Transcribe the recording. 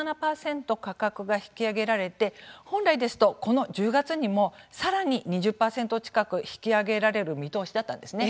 価格が引き上げられて本来ですと、この１０月にもさらに２０％近く引き上げられる見通しだったんですね。